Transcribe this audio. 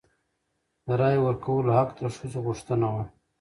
د رایې ورکولو حق د ښځو غوښتنه وه.